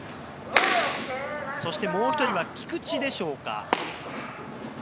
そしてもう１人は菊地でしょうか？